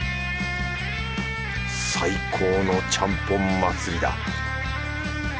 最高のちゃんぽん祭りだ。